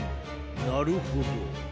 なるほど。